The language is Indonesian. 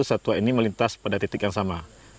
satwa ini melintas pada titik yang sama